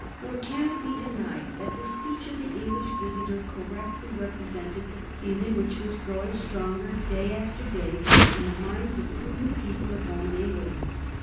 Nor can it be denied that the speech of the English visitor correctly represented the feeling which was growing stronger day after day in the minds of prudent people at home in England.